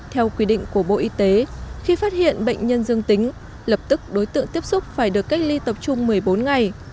theo quy định của bộ y tế khi phát hiện bệnh nhân dương tính lập tức đối tượng tiếp xúc phải được cách ly tập trung một mươi bốn ngày